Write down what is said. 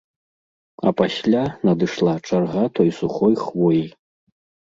А пасля надышла чарга той сухой хвоі.